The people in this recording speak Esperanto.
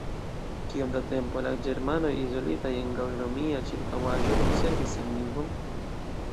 Kiom da tempo la Ĝermanoj izolitaj en gaŭl-romia ĉirkaŭaĵo konservis sian lingvon?